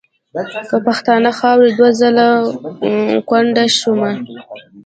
په پښتنه خاوره دوه ځله کونډه شومه .